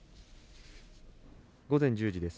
午前１０時です。